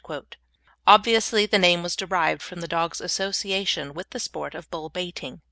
Obviously the name was derived from the dog's association with the sport of bull baiting.